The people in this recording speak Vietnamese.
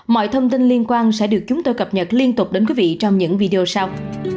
mọi thông tin liên quan sẽ được chúng tôi cập nhật liên tục đến quý vị trong những video sau